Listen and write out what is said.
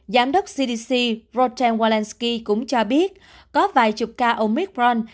giám đốc cdc rodan walensky cũng cho biết có vài chục ca omicron